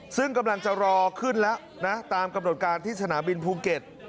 ซึ่งกำลังจะรอขึ้นแล้วนะตามกำหนดการที่สนามบินภูเก็ต